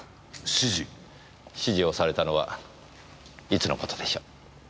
指示をされたのはいつの事でしょう？